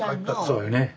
そうやね。